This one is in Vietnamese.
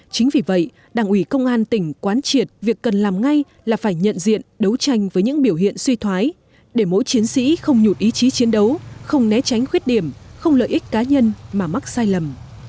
chính vì vậy đảng ủy công an tỉnh quán triệt việc cần làm ngay là phải nhận diện đấu tranh với những biểu hiện suy thoái để mỗi chiến sĩ không nhụt ý chí chiến đấu không né tránh khuyết điểm không lợi ích cá nhân mà mắc sai lầm